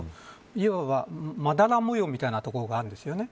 要は、まだら模様みたいなところがあるんですよね。